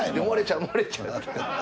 もれちゃうもれちゃう。